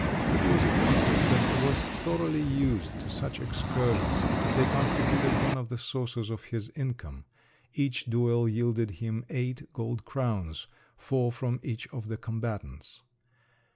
It was obvious that he was thoroughly used to such excursions; they constituted one of the sources of his income; each duel yielded him eight gold crowns—four from each of the combatants.